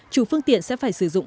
chủ phương tiện sẽ phải sử dụng